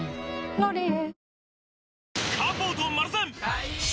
「ロリエ」